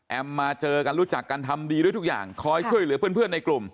มาเจอกันรู้จักกันทำดีด้วยทุกอย่างคอยช่วยเหลือเพื่อนในกลุ่ม